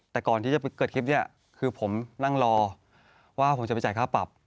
แต่ก่อนที่จะเกิดคลิปนี้คือผมนั่งรอว่าผมจะไปจ่ายค่าปรับ